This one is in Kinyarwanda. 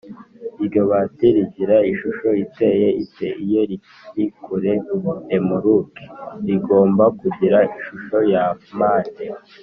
iryo bati rigira ishusho iteye ite iyo ririkuri remoruke?rigomba kugira ishusho ya mpande